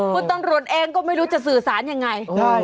คุณตำรวจเองก็ไม่รู้จะสื่อสารยังไง